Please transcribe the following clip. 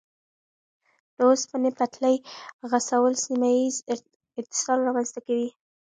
د اوسپنې پټلۍ غځول سیمه ییز اتصال رامنځته کوي.